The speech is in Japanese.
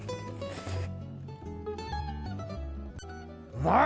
うまい！